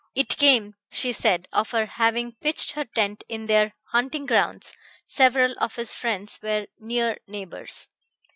It came, she said, of her having pitched her tent in their hunting grounds; several of his friends were near neighbors.